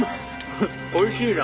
おいしいな。